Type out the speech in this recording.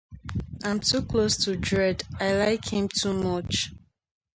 I'm too close to Dredd, I like him too much.